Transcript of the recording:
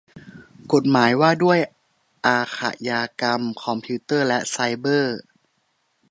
กฎหมายว่าด้วยอาขญากรรมคอมพิวเตอร์และไซเบอร์